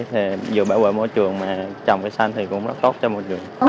thì vừa bảo vệ môi trường mà trồng cây xanh thì cũng rất tốt cho môi trường